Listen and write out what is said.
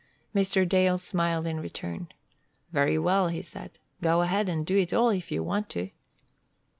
Mr. Dale smiled in return. "Very well," he said. "Go ahead and do it all if you want to."